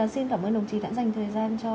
xin cảm ơn đồng chí đã dành thời gian cho